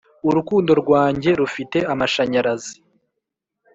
urukundo rwanjye rufite amashanyarazi